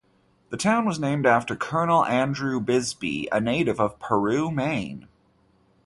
The town was named after Colonel Andrew Bisbee, a native of Peru, Maine.